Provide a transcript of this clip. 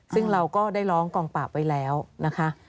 ซึ่งเราก็ได้ร้องกองปราบไว้แล้วนะคะ